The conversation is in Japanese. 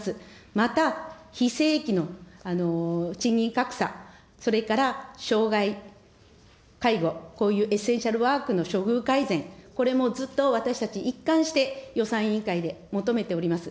また非正規の賃金格差、それから障害、介護、こういうエッセンシャルワークの処遇改善、これもずっと私たち一貫して予算委員会で求めております。